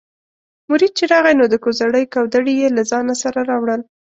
مرید چې راغی نو د کوزړۍ کودوړي یې له ځانه سره راوړل.